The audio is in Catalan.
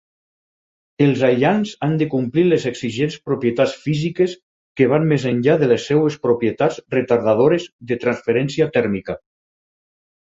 Els aïllants han de complir les exigents propietats físiques que van més enllà de les seves propietats retardadores de transferència tèrmica.